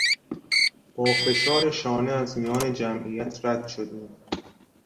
با فشار شانه از میان جمعیت رد شدیم.